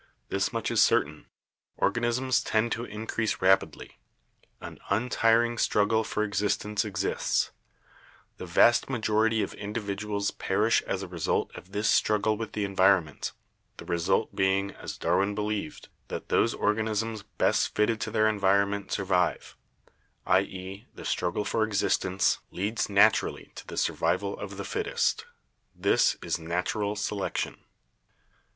This much is certain : organisms tend to increase rapidly ; an untiring struggle for existence exists ; the vast majority of individuals perish as a result of this struggle with the environment — the result being as Darwin believed that those organisms best fitted to their environment sur vive — i.e., the struggle for existence leads naturally to the survival of the fittest. This is natural selection.